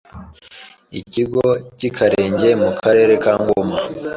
Ikigo cy’i Karenge mu karere ka Ngoma,